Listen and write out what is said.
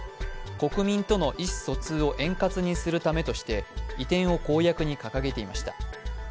国民との意思疎通を円滑にするためとして移転を公約に掲げていました。